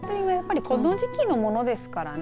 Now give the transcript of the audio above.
この時期のものですからね。